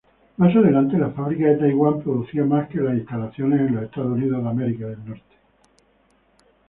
Más adelante, la fábrica de Taiwán producía más que las instalaciones de Estados Unidos.